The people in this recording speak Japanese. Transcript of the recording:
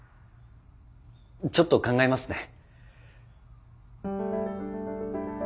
ちょっと考えますね。